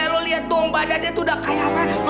lo liat dong badannya tuh udah kayak apa